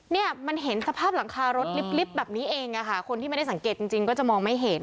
เนี่ยมันเห็นสภาพหลังคารถลิฟต์แบบนี้เองอะค่ะคนที่ไม่ได้สังเกตจริงก็จะมองไม่เห็น